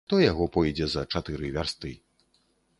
Хто яго пойдзе за чатыры вярсты.